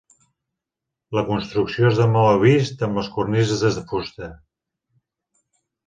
La construcció és de maó vist amb les cornises de fusta.